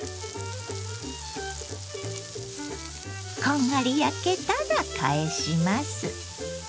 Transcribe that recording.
こんがり焼けたら返します。